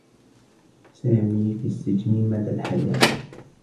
سامي في السّجن مدى الحياة.